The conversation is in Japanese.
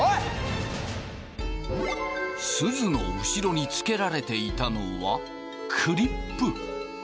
すずの後ろに付けられていたのはクリップ。